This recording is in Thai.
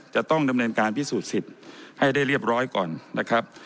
จะต้องดำเนินการพิสูจน์สิทธิ์ให้ได้เรียบร้อยก่อนนะครับ